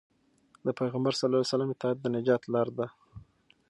د پيغمبر ﷺ اطاعت د نجات لار ده.